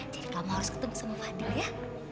jadi kamu harus ketemu sama fadil ya